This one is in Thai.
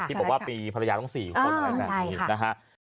ที่บอกว่ามีภรรยาต้อง๔คนอะไรแบบนี้นะฮะ